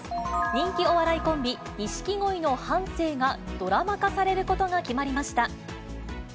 人気お笑いコンビ、錦鯉の半生がドラマ化されることが決まりました。